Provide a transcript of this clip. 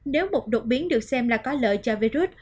nếu một đột biến được xem là có lợi cho virus